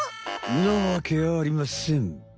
なわけありません。